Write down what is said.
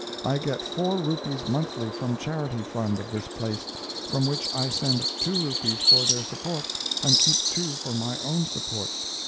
I get four rupees monthly from charity fund of this place, from which I send two rupees for their support, and keep two for my own support.